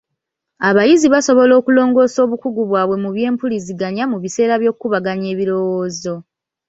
Abayizi basobola okulongoosa obukugu bwabwe mu by'empuliziganya mu biseera by'okukubaganya ebirowoozo.